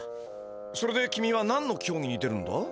それで君は何のきょうぎに出るんだ？